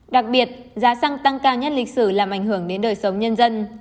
đặc biệt giá xăng tăng cao nhất lịch sử làm ảnh hưởng đến đời sống nhân dân